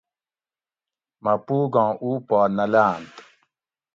مہ پوگاں اُو پا نہ لاۤنت